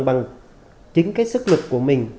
bằng chính cái sức lực của mình